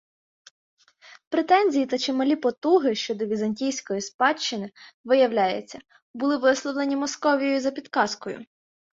Претензії та чималі потуги щодо візантійської спадщини, виявляється, були висловлені Московією за підказкою